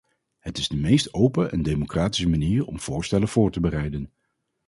Het is de meest open en democratische manier om voorstellen voor te bereiden.